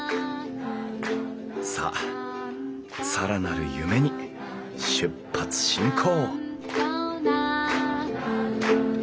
さあ更なる夢に出発進行！